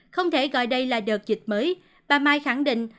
không thể gọi đây là đợt dịch mới bà mai khẳng định